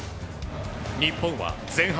日本は前半。